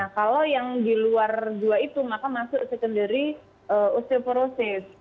nah kalau yang di luar dua itu maka masuk secondary